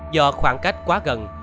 do khoảng cách quá gần